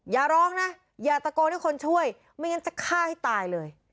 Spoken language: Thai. อย่าร้องนะอย่าตะโกนให้คนช่วยไม่งั้นจะฆ่าให้ตายเลย